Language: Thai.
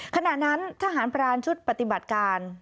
ขณะนั้นทหารพรานชุดปฏิบัติการ